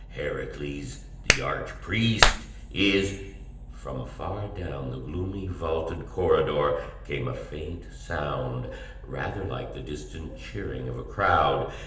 Herakles, the arch priest is "From far down the gloomy, vaulted corridor came a faint sound, rather like the distant cheering of a crowd.